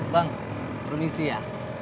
bang permisi ya